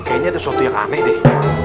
kayaknya ada sesuatu yang aneh deh